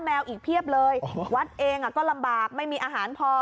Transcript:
แมวอีกเพียบเลยวัดเองก็ลำบากไม่มีอาหารพอ